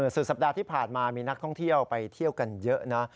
สุดสัปดาห์ที่ผ่านมามีนักท่องเที่ยวไปเที่ยวกันเยอะนะ